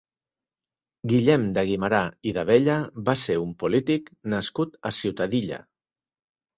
Guillem de Guimerà i d'Abella va ser un polític nascut a Ciutadilla.